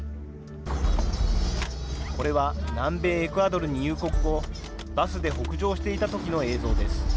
これは南米エクアドルに入国後、バスで北上していたときの映像です。